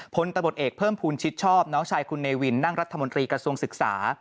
พลตำรวจเอกเพิ่มภูมิชิดชอบน้องชายคุณเนวินนั่งรัฐมนตรีกระทรวงศึกษา